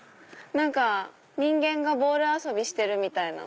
人間がボール遊びしてるみたいな。